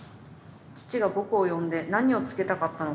父が僕を呼んで何を告げたかったのか